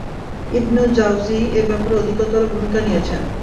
ইবনুল Jawzi এ ব্যাপারে অধিকতর ভূমিকা নিয়েছেন।